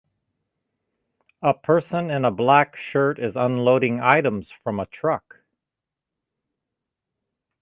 A person in a black shirt is unloading items from a truck